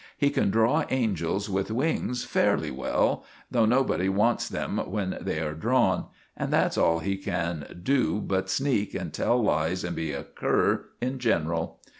He can draw angels with wings fairly well, though nobody wants them when they are drawn; and that's all he can do but sneak, and tell lies, and be a cur in general."